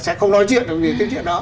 sẽ không nói chuyện được